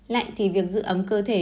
lạnh thì việc giữ ấm cơ thể